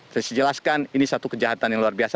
saya jelaskan ini satu kejahatan yang luar biasa